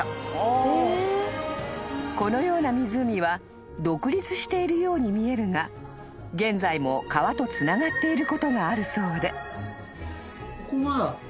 ［このような湖は独立しているように見えるが現在も川とつながっていることがあるそうで］